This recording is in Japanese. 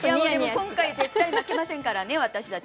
今回絶対負けませんからね私たち。